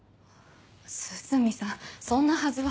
涼見さんそんなはずは。